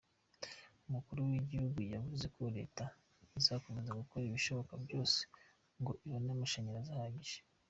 Umukuru w’Igihugu yavuze ko leta izakomeza gukora ibishoboka byose ngo ibone amashanyarazi ahagije.